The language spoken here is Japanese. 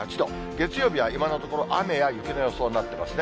月曜日は今のところ、雨や雪の予想になっていますね。